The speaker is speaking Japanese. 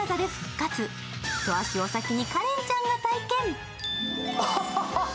一足お先に、花恋ちゃんが体験！